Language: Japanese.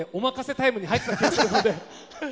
タイムに入ってた気がする。